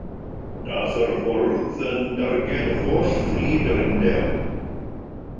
Daeth yr hwrdd yn darged holl fflyd yr Undeb.